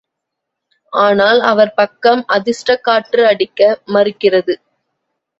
ஆனால் அவர் பக்கம் அதிர்ஷ்டக் காற்று அடிக்க மறுக்கிறது.